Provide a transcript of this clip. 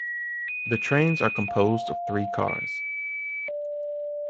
The trains are composed of three cars.